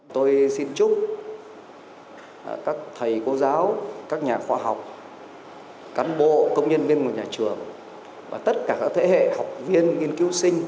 tôi xin chúc các thầy cô giáo các nhà khoa học cán bộ công nhân viên của nhà trường và tất cả các thế hệ học viên nghiên cứu sinh